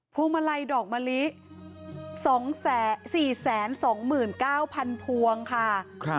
วงมาลัยดอกมะลิ๒๔๒๙๐๐พวงค่ะ